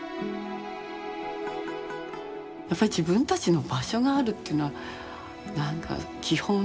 やっぱ自分たちの場所があるっていうのはなんか基本？